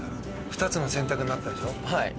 ２つの選択になってたでしょ？